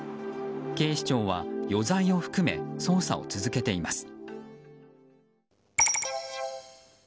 警視庁は余罪を含め捜査を続けています。